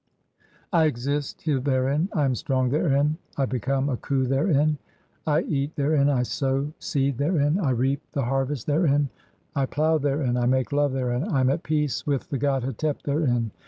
I exist "therein, I am strong therein, I become a khu therein, I eat "therein, I sow (24) seed therein, I reap the harvest therein, "I plough therein, I make love therein, I am at peace with the "god Hetep therein.